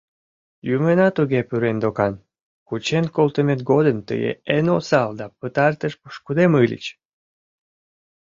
Юмына туге пӱрен докан: кучен колтымет годым тый эн осал да пытартыш пошкудем ыльыч.